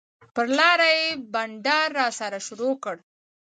پر لاره یې بنډار راسره شروع کړ.